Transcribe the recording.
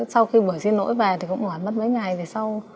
sau khi buổi xin lỗi về thì cũng mỏi mất mấy ngày